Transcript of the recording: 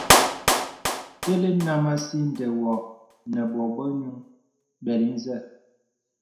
Tə̀lə nàm àsi nde wô ne bobə̄ yūŋ bəli nzə.